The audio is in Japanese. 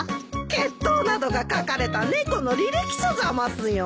血統などが書かれた猫の履歴書ざますよ。